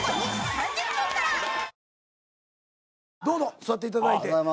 どうぞ座っていただいて。